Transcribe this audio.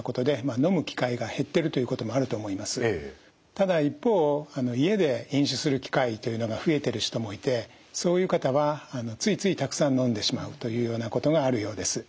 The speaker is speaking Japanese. ただ一方家で飲酒する機会というのが増えている人もいてそういう方はついついたくさん飲んでしまうというようなことがあるようです。